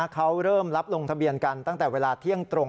เขาเริ่มรับลงทะเบียนกันตั้งแต่เวลาเที่ยงตรง